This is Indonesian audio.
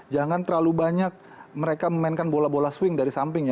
jangan terlalu banyak mereka memainkan bola bola swing dari samping ya